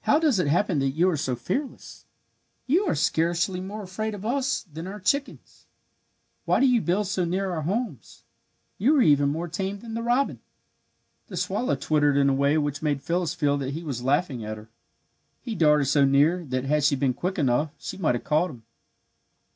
"How does it happen that you are so fearless? You are scarcely more afraid of us than our chickens. Why do you build so near our homes? You are even more tame than the robin!" The swallow twittered in a way which made Phyllis feel that he was laughing at her. He darted so near that had she been quick enough she might have caught him.